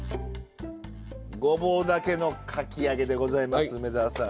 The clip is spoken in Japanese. ごぼうだけのかき揚げでございます梅沢さん。